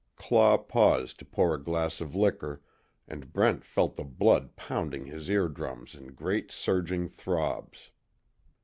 Claw paused to pour a glass of liquor, and Brent felt the blood pounding his eardrums in great surging throbs.